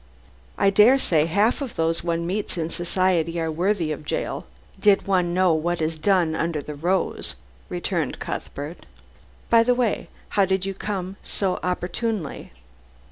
"I dare say half of those one meets in society are worthy of jail, did one know what is done under the rose," returned Cuthbert; "by the way, how did you come so opportunely?"